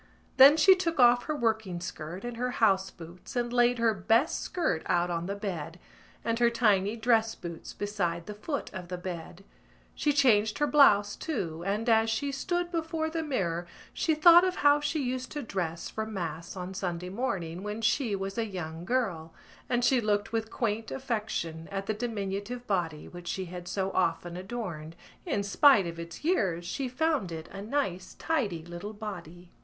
Then she took off her working skirt and her house boots and laid her best skirt out on the bed and her tiny dress boots beside the foot of the bed. She changed her blouse too and, as she stood before the mirror, she thought of how she used to dress for mass on Sunday morning when she was a young girl; and she looked with quaint affection at the diminutive body which she had so often adorned. In spite of its years she found it a nice tidy little body.